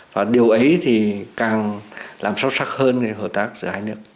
và điều ấy thì càng làm sâu sắc hơn hợp tác giá nước